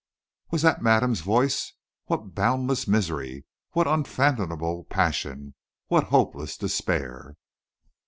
Was that madame's voice? What boundless misery! what unfathomable passion! what hopeless despair!